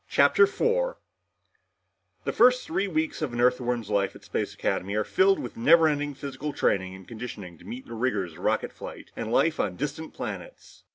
CHAPTER 4 The first three weeks of an Earthworm's life at Space Academy are filled with never ending physical training and conditioning to meet the rigors of rocket flight and life on distant planets.